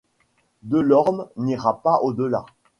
Delorme n'ira pas au-delà.